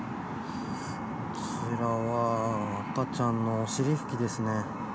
こちらは赤ちゃんのお尻ふきですね。